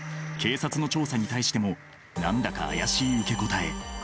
警察の調査に対しても何だか怪しい受け答え。